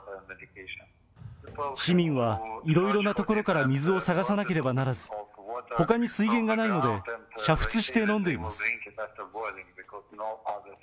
市民はいろいろな所から水を探さなければならず、ほかに水源がないので、煮沸して飲んでいます。